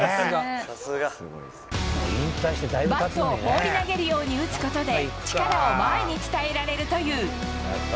さすが。バットを放り投げるように打つことで、力を前に伝えられるという。